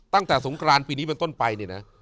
ตั้งแต่สงครานปีนี้มาต้นไป